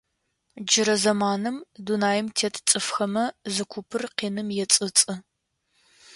Джырэ зэманым, дунаим тет цӏыфхэмэ, зы купыр къиным ецӏыцӏы.